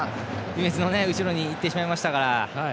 ディフェンスの後ろに行ってしまいましたから。